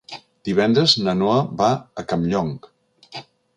Divendres na Noa va a Campllong.